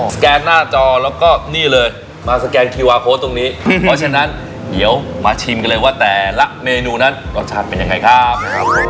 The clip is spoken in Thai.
สแกนหน้าจอแล้วก็นี่เลยมาสแกนคิวาโค้ดตรงนี้เพราะฉะนั้นเดี๋ยวมาชิมกันเลยว่าแต่ละเมนูนั้นรสชาติเป็นยังไงครับผม